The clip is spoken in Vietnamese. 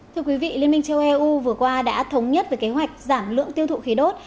thưa quý vị liên minh châu eu vừa qua đã thống nhất về kế hoạch giảm lượng tiêu thụ khí đốt